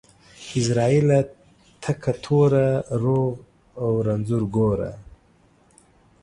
عزرائيله تکه توره ، روغ او رنځور گوره.